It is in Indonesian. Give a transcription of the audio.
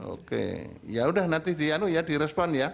oke yaudah nanti di respon ya